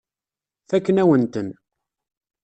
Fakken-awen-ten.